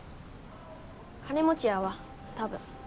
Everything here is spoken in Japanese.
金持ちやわ多分。